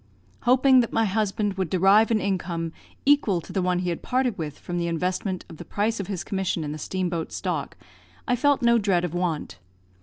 Hoping that my husband would derive an income equal to the one he had parted with from the investment of the price of his commission in the steam boat stock, I felt no dread of want.